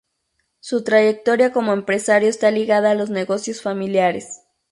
Su trayectoria como empresario está ligada a los negocios familiares.